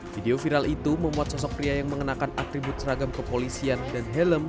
video viral itu memuat sosok pria yang mengenakan atribut seragam kepolisian dan helm